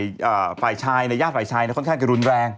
หน้าขาวก็กะฝ่ายชายเนี่ยญาติฝ่ายชายเนี่ยค่อนข้างกินรุนแรง